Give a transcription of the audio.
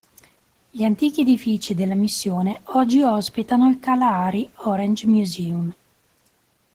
Gli antichi edifici della missione oggi ospitano il Kalahari Orange Museum.